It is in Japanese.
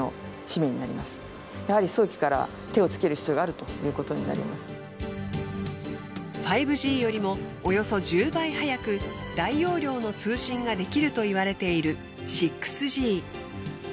今ですと研究の方ホントに５Ｇよりもおよそ１０倍早く大容量の通信ができるといわれている６Ｇ。